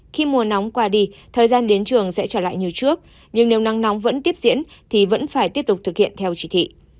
khi mùa nóng qua đi thời gian đến trường sẽ trở lại như trước nhưng nếu nắng nóng vẫn tiếp diễn thì vẫn phải tiếp tục thực hiện theo chỉ thị